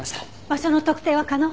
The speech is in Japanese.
場所の特定は可能？